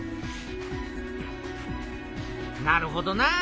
なるほどな。